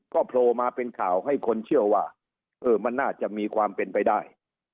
ก็โผล่มาเป็นข่าวให้คนเชื่อว่าเออมันน่าจะมีความเป็นไปได้